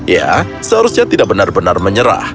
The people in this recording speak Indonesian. ya seharusnya tidak benar benar menyerah